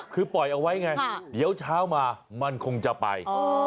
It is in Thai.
คือปล่อยเอาไว้ไงเดี๋ยวเช้ามามันคงจะไป